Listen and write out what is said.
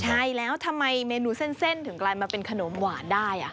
ใช่แล้วทำไมเมนูเส้นถึงกลายมาเป็นขนมหวานได้